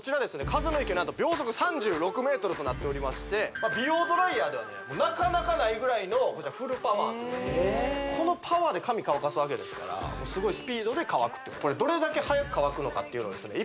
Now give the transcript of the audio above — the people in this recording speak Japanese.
風の勢い何と秒速３６ｍとなっておりまして美容ドライヤーではねなかなかないぐらいのフルパワーこのパワーで髪乾かすわけですからすごいスピードで乾くとどれだけ早く乾くのかっていうのをですね